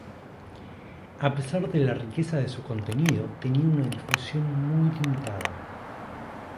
A pesar de la riqueza de su contenido, tenía una difusión muy limitada.